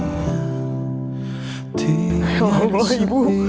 ya allah ibu